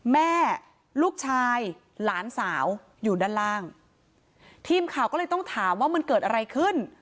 แม่ลูกชายหลานสาวอยู่ด้านล่างทีมข่าวก็เลยต้องถามว่ามันเกิดอะไรขึ้น